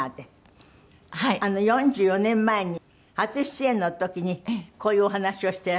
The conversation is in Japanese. ４４年前に初出演の時にこういうお話をしてらっしゃいます。